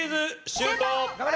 シュート！